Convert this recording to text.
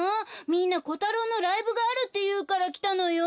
みんなコタロウのライブがあるっていうからきたのよ。